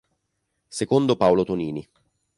Secondo Paolo Tonini